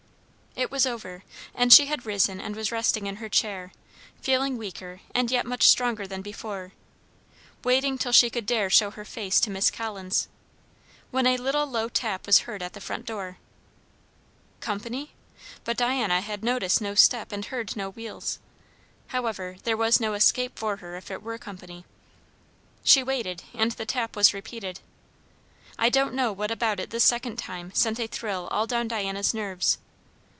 It was over, and she had risen and was resting in her chair, feeling weaker and yet much stronger than before; waiting till she could dare show her face to Miss Collins; when a little low tap was heard at the front door. Company? But Diana had noticed no step and heard no wheels. However, there was no escape for her if it were company. She waited, and the tap was repeated. I don't know what about it this second time sent a thrill all down Diana's nerves.